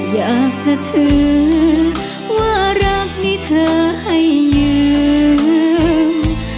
อยากจะถือว่ารักนี่เธอให้ยืม